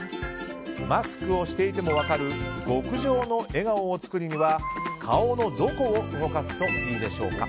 マスクをしていても分かる極上の笑顔を作るには顔のどこを動かすといいでしょうか？